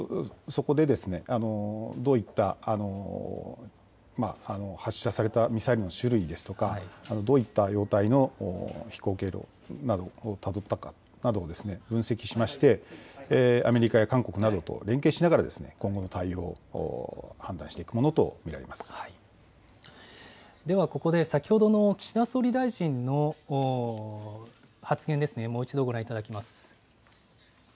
そこでどういった発射されたミサイルの種類ですとか、どういった状態の飛行経路などをたどったか、などを分析しまして、アメリカや韓国などと連携しながら今後の対応を判断していくものではここで先ほどの岸田総理大臣の発言ですね、もう一度ご覧いただきます。